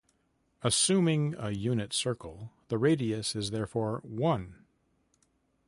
Assuming a unit circle; the radius is therefore one.